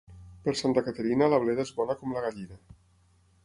Per Santa Caterina la bleda és bona com la gallina.